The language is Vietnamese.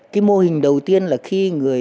cái mô hình đầu tiên là khi